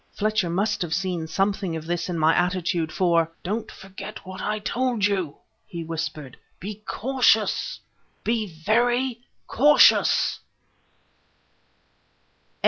Fletcher must have seen something of this in my attitude, for "Don't forget what I told you," he whispered. "Be cautious! be very cautious!..."